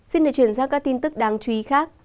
xin để truyền ra các tin tức đáng chú ý khác